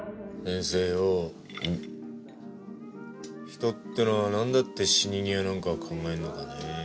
人ってのはなんだって死に際なんかを考えんのかね。